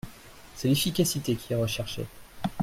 C’est l’efficacité qui est recherchée.